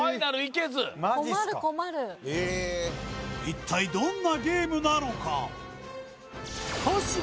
マジすか一体どんなゲームなのか？